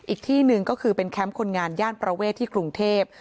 อีกที่หนึ่งก็คือเป็นแคมป์คนงานย่านประเวทที่กรุงเทพ